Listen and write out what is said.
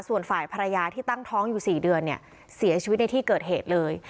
ส่วนฝ่ายภรรยาที่ตั้งท้องอยู่๔เดือนเนี่ยเสียชีวิตในที่เกิดเหตุเลย